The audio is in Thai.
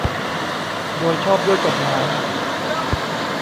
โดยชอบด้วยกฎหมาย